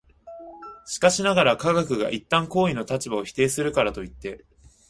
しかしながら、科学が一旦行為の立場を否定するからといって、